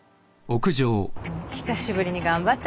久しぶりに頑張ったな。